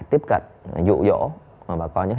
tiếp cận dụ dỗ và có những